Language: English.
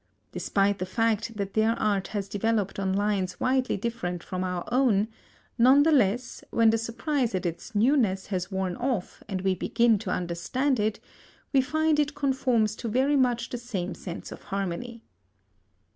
Despite the fact that their art has developed on lines widely different from our own, none the less, when the surprise at its newness has worn off and we begin to understand it, we find it conforms to very much the same sense of harmony.